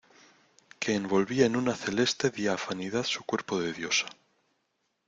que envolvía en una celeste diafanidad su cuerpo de diosa.